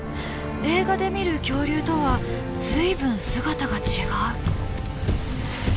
映画で見る恐竜とは随分姿が違う。